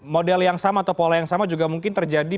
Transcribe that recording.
model yang sama atau pola yang sama juga mungkin terjadi